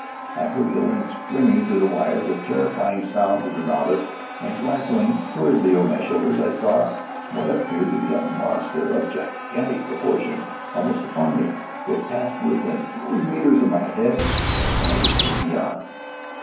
I heard the wind screaming through the wires, a terrifying sound to the novice, and glancing hurriedly over my shoulder, I saw what appeared to be a monster of gigantic proportions, almost upon me. It passed within three metres of my head and landed just beyond.